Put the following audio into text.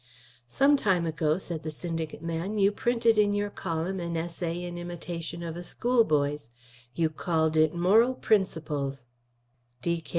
"Some time ago," said the syndicate man, "you printed in your column an essay in imitation of a schoolboy's. You called it 'Moral Principles'."